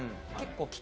結構。